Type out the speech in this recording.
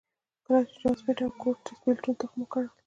کله چې جان سمېت او کورټس بېلتون تخم وکرل.